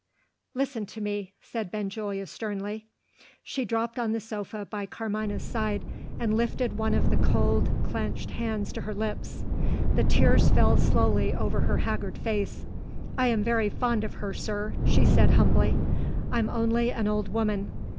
"Listen to me," said Benjulia, sternly. She dropped on the sofa by Carmina's side, and lifted one of the cold clenched hands to her lips. The tears fell slowly over her haggard face. "I am very fond of her, sir," she said humbly. "I'm only an old woman.